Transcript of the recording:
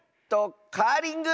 カーリング！